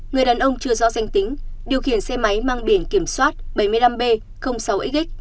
người đàn ông chưa rõ danh tính điều khiển xe máy mang biển kiểm soát bảy mươi năm b sáu x